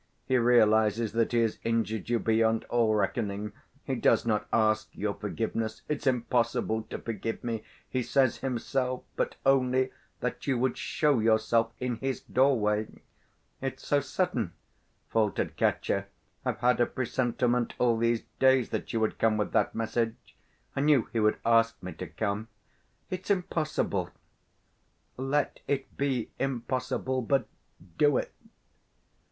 He realizes that he has injured you beyond all reckoning. He does not ask your forgiveness—'It's impossible to forgive me,' he says himself—but only that you would show yourself in his doorway." "It's so sudden...." faltered Katya. "I've had a presentiment all these days that you would come with that message. I knew he would ask me to come. It's impossible!" "Let it be impossible, but do it.